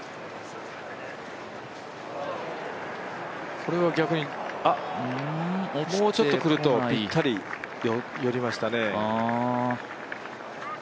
これは逆にもうちょっと来るとぴったり寄りましたね。